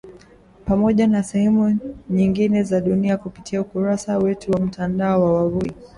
Pamoja na sehemu nyingine za dunia kupitia ukurasa wetu wa mtandao wa wavuti